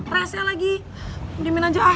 rasa lagi dimin aja ah